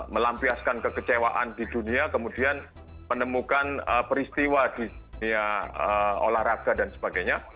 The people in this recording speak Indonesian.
melampiaskan kekecewaan di dunia kemudian menemukan peristiwa di dunia olahraga dan sebagainya